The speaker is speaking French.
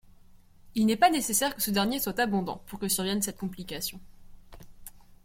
Il n'est pas nécessaire que ce dernier soit abondant pour que survienne cette complication.